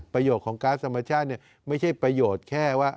ประโยชน์ของก๊าซธรรมชาติไม่ใช่ประโยชน์แค่ว่า